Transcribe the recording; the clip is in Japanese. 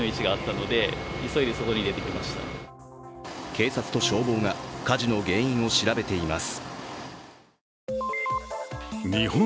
警察と消防が火事の原因を調べています。